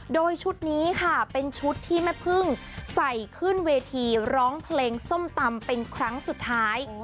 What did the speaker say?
โดยชุดนี้ค่ะเป็นชุดที่แม่พึ่งใส่ขึ้นเวทีร้องเพลงส้มตำเป็นครั้งสุดท้าย